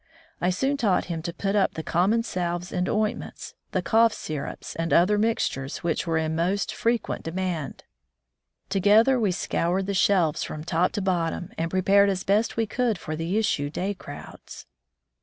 I soon taught him to put up the common salves and oint ments, the cough syrups and other mixtiu*es which were in most frequent demand. To gether we scoured the shelves from top to bottom and prepared as best we could for the issue day crowds.